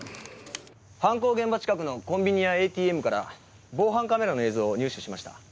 犯行現場近くのコンビニやＡＴＭから防犯カメラの映像を入手しました。